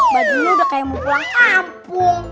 bajunya udah kayak mau pulang kampung